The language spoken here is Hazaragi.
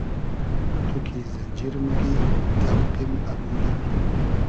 تو کی زئنجیر موگی تۆقیم امویۂ